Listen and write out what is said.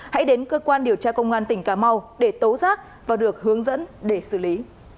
hãy đến cơ quan điều tra công an tỉnh cà mau để tố giác và được hướng dẫn để xử lý